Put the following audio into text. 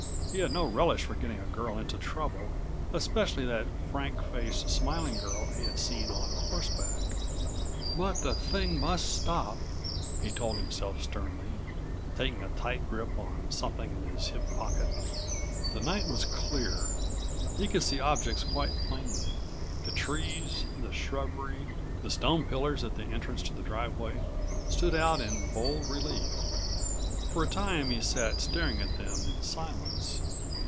He had no relish for getting a girl into trouble, especially that frank faced, smiling girl he had seen on horseback. "But the thing must stop," he told himself sternly, taking a tight grip on something in his hip pocket. The night was clear. He could see objects quite plainly. The trees, the shrubbery, the stone pillars at the entrance to the driveway, stood out in bold relief. For a time he sat staring at them in silence.